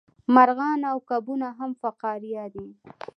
مارغان او کبونه هم فقاریه دي